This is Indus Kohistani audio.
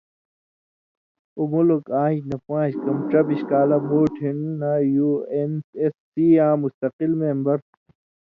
اُو مُلک آژ نہ پان٘ژ کم ڇبِش کالہ مُوٹھیۡ نہ یُو اېن ایس سی یاں مستقل مېمبر تُھو